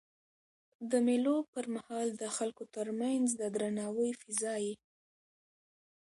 د مېلو پر مهال د خلکو ترمنځ د درناوي فضا يي.